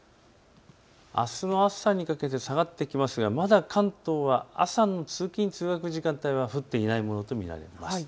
あすの朝にかけて下がってきますが、まだ関東は朝の通勤通学の時間帯は降っていないということになります。